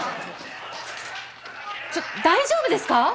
ちょっと大丈夫ですか？